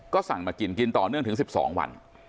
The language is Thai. ก็สั่งมากินกินต่อเนื่องถึง๑๒วัน